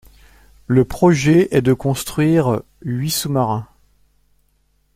Le projet est de construire huit sous-marins.